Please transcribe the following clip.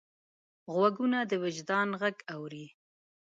غوږونه د وجدان غږ اوري